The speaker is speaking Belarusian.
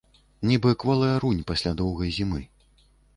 Нібы кволая рунь пасля доўгай зімы.